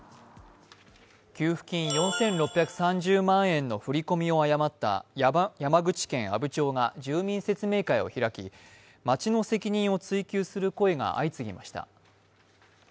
給付金４６３０万円の振り込みを誤った山口県阿武町が住民説明会を開き、町の責任を追及する声が相次ぎました。